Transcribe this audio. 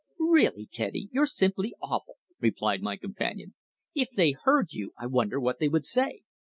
"Really, Teddy, you're simply awful," replied my companion. "If they heard you I wonder what they would say?"